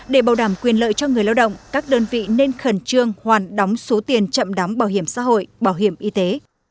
để bảo đảm quyền lợi cho người lao động các đơn vị nên khẩn trương hoàn đóng số tiền chậm đóng bảo hiểm xã hội bảo hiểm y tế